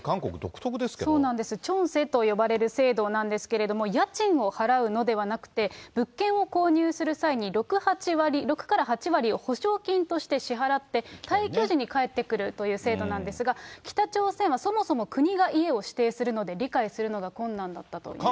そうなんです、チョンセと呼ばれる制度なんですけれども、家賃を払うのではなくて、物件を購入する際に、６、８割、６から８割を保証金として支払って、退去時に返ってくるという制度なんですが、北朝鮮はそもそも、国が家を指定するので、理解するのが困難だったということです。